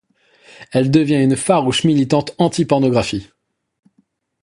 Elle devient une farouche militante anti-pornographie.